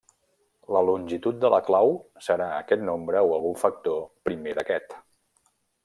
La longitud de la clau serà aquest nombre o algun factor primer d'aquest.